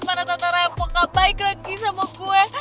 para tata revo gak baik lagi sama gue